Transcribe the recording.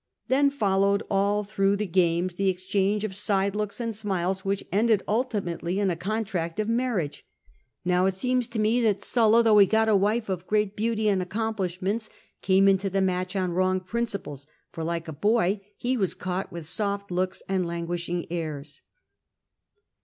Then followed, all through the games, an exchange of side looks and smiles, which ended ulti mately in a contract of marriage. IsTow it seems co me that Sulla, though he got a wife of great beauty and accomplishments, came into the match on wrong prin ciples, for, like a boy, he was caught with soft looks and languishing airs."